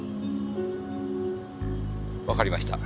わかりました。